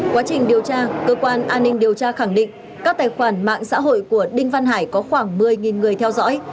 quá trình điều tra cơ quan an ninh điều tra khẳng định các tài khoản mạng xã hội của đinh văn hải có khoảng một mươi người theo dõi